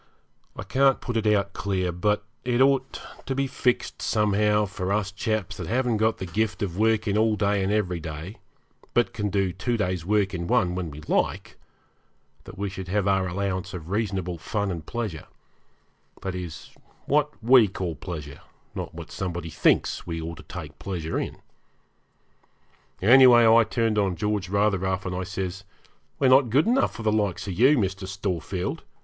I can't put it out clear, but it ought to be fixed somehow for us chaps that haven't got the gift of working all day and every day, but can do two days' work in one when we like, that we should have our allowance of reasonable fun and pleasure that is, what we called pleasure, not what somebody thinks we ought to take pleasure in. Anyway, I turned on George rather rough, and I says, 'We're not good enough for the likes of you, Mr. Storefield.